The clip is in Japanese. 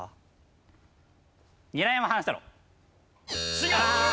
違う！